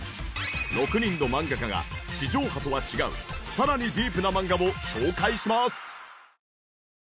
６人の漫画家が地上波とは違うさらにディープな漫画も紹介します。